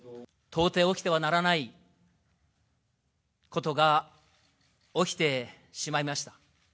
到底起きてはならないことが起きてしまいました。